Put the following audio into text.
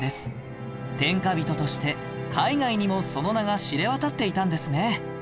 天下人として海外にもその名が知れ渡っていたんですね